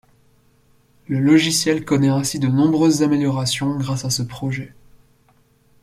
Le logiciel connaît ainsi de nombreuses améliorations grâce à ce projet.